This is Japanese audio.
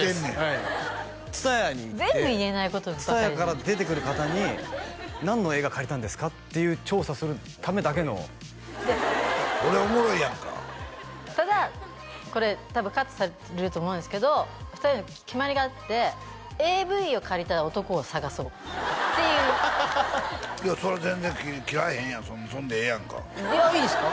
ＴＳＵＴＡＹＡに行ってＴＳＵＴＡＹＡから出てくる方に「何の映画借りたんですか？」っていう調査するためだけのこれおもろいやんかただこれ多分カットされると思うんですけど２人の決まりがあってＡＶを借りた男を探そうっていういやそれ全然切らへんやんそれでええやんかいいですか？